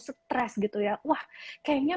stres gitu ya wah kayaknya